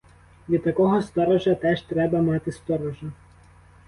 Від такого сторожа теж треба мати сторожа.